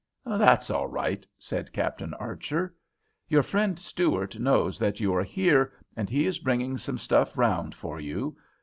"That's all right," said Captain Archer. "Your friend Stuart knows that you are here, and he is bringing some stuff round for you.